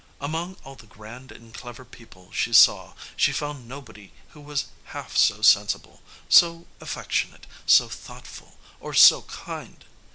Among all the grand and clever people she saw she found nobody who was half so sensible, so affectionate, so thoughtful, or so kind.